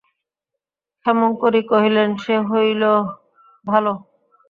ক্ষেমংকরী কহিলেন, সে হইল ভালো।